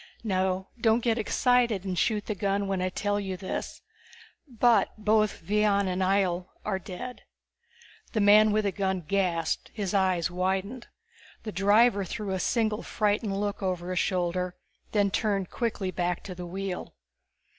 Now don't get excited and shoot the gun when I tell you this but both Vion and Ihjel are dead." The man with the gun gasped, his eyes widened. The driver threw a single frightened look over his shoulder, then turned quickly back to the wheel.